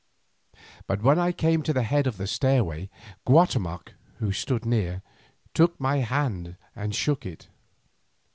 But when I came to the head of the stairway, Guatemoc, who stood near, took my hand and shook it.